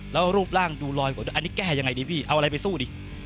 แล้วรูปร่างดูลอยกว่าด้วยอันนี้แก้ยังไงดีพี่เอาอะไรไปสู้ดิ